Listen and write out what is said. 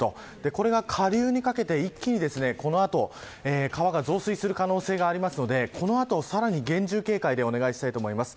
これが下流にかけて一気にこの後川が増水する可能性がありますのでこの後さらに厳重警戒でお願いします。